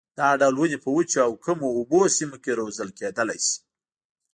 دا ډول ونې په وچو او کمو اوبو سیمو کې روزل کېدلای شي.